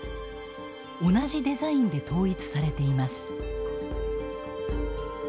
同じデザインで統一されています。